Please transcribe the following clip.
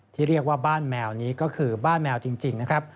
ที่เรียกว่าบ้านแมวนี้ก็คือบ้านแมวจริงนะครับ